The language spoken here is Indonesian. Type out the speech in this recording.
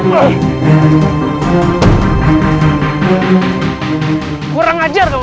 kurang ajar kamu ya